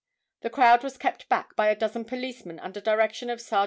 The crowd was kept back by a dozen policemen under direction of Sergt.